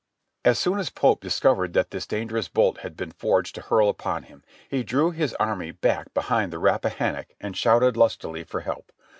As soon as Pope discovered that this dangerous bolt had been forged to hurl upon him, he drew his army back behind the Rap pahannock and shouted lustily for help.